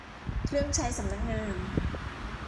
เครื่องใช้สำนักงาน